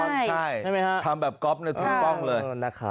ใช่ทำแบบก๊อบนึงทุกป้องเลย